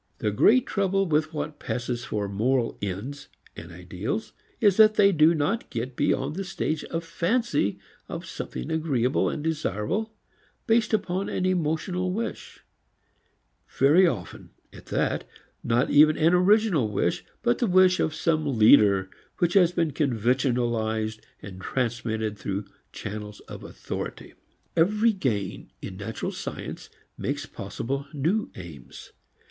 The great trouble with what passes for moral ends and ideals is that they do not get beyond the stage of fancy of something agreeable and desirable based upon an emotional wish; very often, at that, not even an original wish, but the wish of some leader which has been conventionalized and transmitted through channels of authority. Every gain in natural science makes possible new aims.